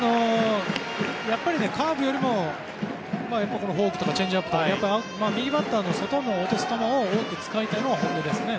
カーブよりもフォークとかチェンジアップとか右バッターの外に落とす球を多く使いたいのが本音ですね。